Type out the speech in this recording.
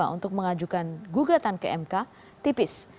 untuk mengajukan gugatan ke mk tipis